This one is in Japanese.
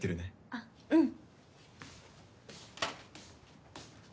あっうん。